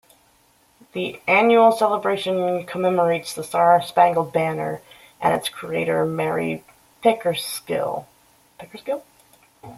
The annual celebration commemorates the Star-Spangled Banner and its creator Mary Pickersgill.